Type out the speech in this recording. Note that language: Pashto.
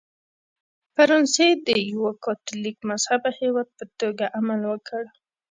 فرانسې د یوه کاتولیک مذهبه هېواد په توګه عمل وکړ.